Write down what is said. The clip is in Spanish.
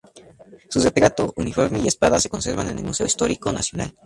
Su retrato, uniforme y espada se conservan en el Museo Histórico Nacional.